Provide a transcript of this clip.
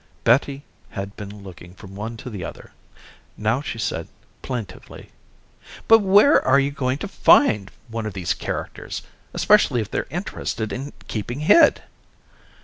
Betty had been looking from one to the other. Now she said, plaintively, "But where are you going to find one of these characters especially if they're interested in keeping hid?"